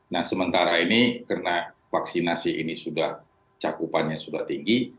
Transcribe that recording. nah sementara ini karena vaksinasi ini sudah cakupannya sudah tinggi